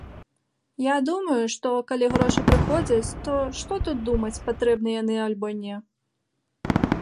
Я думаю, што калі грошы прыходзяць, то што тут думаць, патрэбныя яны альбо не.